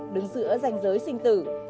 đứng giữa danh giới sinh tử